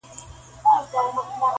دوه جواله یې پر اوښ وه را بارکړي-